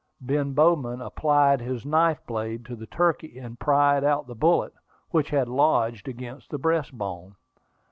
Ben Bowman applied his knife blade to the turkey, and pried out the bullet, which had lodged against the breastbone.